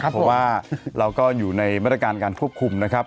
เพราะว่าเราก็อยู่ในมาตรการการควบคุมนะครับ